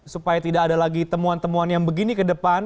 supaya tidak ada lagi temuan temuan yang begini ke depan